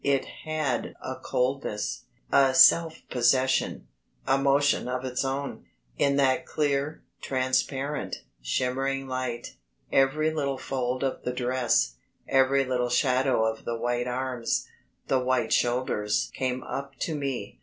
It had a coldness, a self possession, a motion of its own. In that clear, transparent, shimmering light, every little fold of the dress, every little shadow of the white arms, the white shoulders, came up to me.